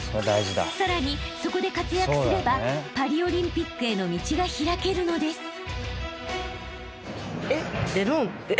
［さらにそこで活躍すればパリオリンピックへの道が開けるのです］